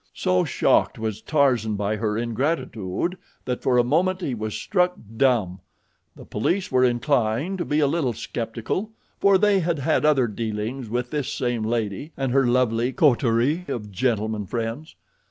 So shocked was Tarzan by her ingratitude that for a moment he was struck dumb. The police were inclined to be a little skeptical, for they had had other dealings with this same lady and her lovely coterie of gentlemen friends.